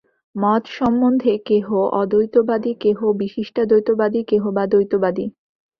মত সম্বন্ধে কেহ অদ্বৈতবাদী, কেহ বিশিষ্টাদ্বৈতবাদী, কেহ বা দ্বৈতবাদী।